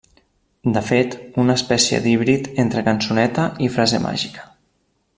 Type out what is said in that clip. De fet, una espècie d'híbrid entre cançoneta i frase màgica.